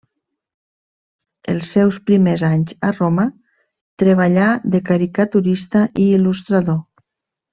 Els seus primers anys a Roma treballà de caricaturista i il·lustrador.